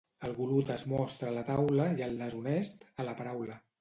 El golut es mostra a la taula i el deshonest, a la paraula.